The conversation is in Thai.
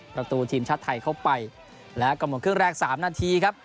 ประตูทีมชาติไทยเข้าไปแล้วก็หมดครึ่งแรก๓นาทีครับ